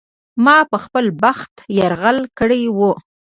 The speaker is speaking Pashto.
ما په خپل بخت یرغل کړی و.